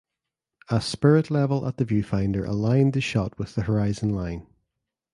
A spirit level at the viewfinder aligned the shot with the horizon line.